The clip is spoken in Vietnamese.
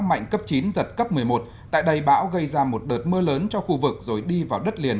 mạnh cấp chín giật cấp một mươi một tại đây bão gây ra một đợt mưa lớn cho khu vực rồi đi vào đất liền